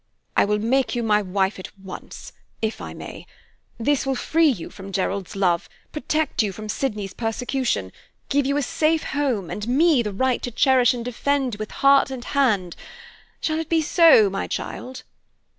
"I will make you my wife at once, if I may. This will free you from Gerald's love, protect you from Sydney's persecution, give you a safe home, and me the right to cherish and defend with heart and hand. Shall it be so, my child?"